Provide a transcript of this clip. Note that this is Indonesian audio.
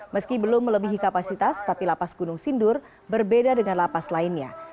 meski belum melebihi kapasitas tapi lapas gunung sindur berbeda dengan lapas lainnya